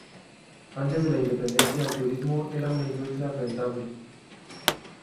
Antes de la independencia, el turismo era una industria rentable.